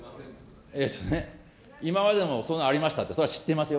えっとね、今までもそれありましたって、それは知ってますよ。